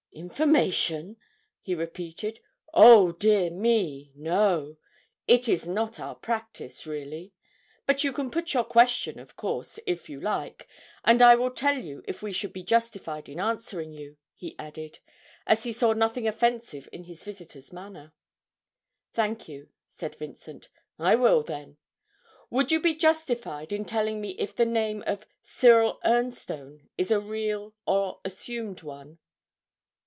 'Information,' he repeated. 'Oh, dear me, no; it is not our practice, really. But you can put your question of course, if you like, and I will tell you if we should be justified in answering you,' he added, as he saw nothing offensive in his visitor's manner. 'Thank you,' said Vincent. 'I will, then. Would you be justified in telling me if the name of "Cyril Ernstone" is a real or assumed one?'